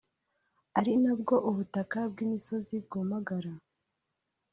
ari na bwo ubutaka bw’imusozi bwumagara